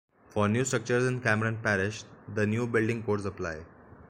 For new structures in Cameron Parish, the new building codes apply.